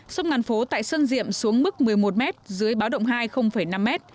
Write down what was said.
sông ngàn phố tại sân diệm xuống mức một mươi một m dưới báo động hai năm m